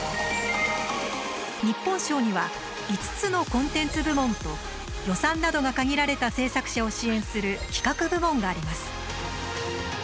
日本賞には５つのコンテンツ部門と予算などが限られた制作者を支援する企画部門があります。